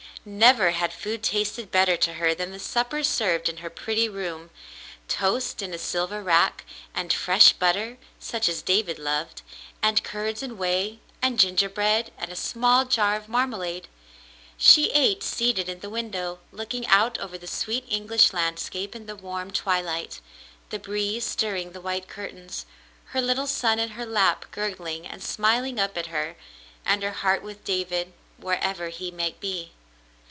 Never had food tasted better to her than the supper served in her pretty room, — toast in a silver rack, and fresh butter, such as David loved, and curds and whey, and gingerbread, and a small jar of marmalade. She ate, seated in the window, looking out over the sweet English landscape in the warm twilight — the breeze stirring the white curtains — her little son in her lap gurgling and smiling up at her — and her heart with David, wherever he might be.